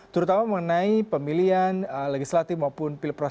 terutama mengenai pemilihan legislatif maupun pilpras dua ribu tujuh belas